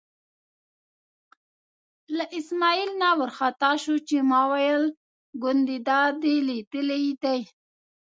له اسمعیل نه وار خطا شو چې ما ویل ګوندې دا دې لیدلی دی.